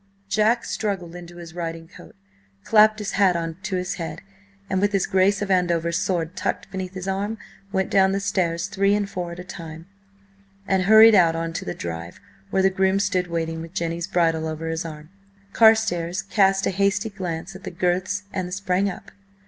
Jack struggled into his riding coat, clapped his hat on to his head, and with his Grace of Andover's sword tucked beneath his arm, went down the stairs three and four at a time, and hurried out on to the drive, where the groom stood waiting with Jenny's bridle over his arm. Carstares cast a hasty glance at the girths and sprang up.